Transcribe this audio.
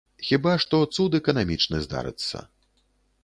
Хіба што, цуд эканамічны здарыцца.